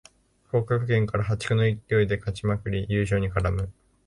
降格圏から破竹の勢いで勝ちまくり優勝に絡む